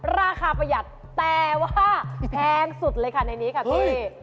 ประหยัดแต่ว่าแพงสุดเลยค่ะในนี้ค่ะพี่